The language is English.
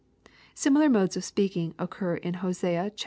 Similar modes of speaking occur in Hosea vi.